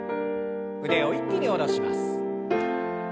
腕を一気に下ろします。